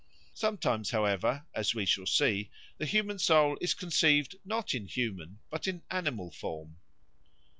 Sometimes, however, as we shall see, the human soul is conceived not in human but in animal form.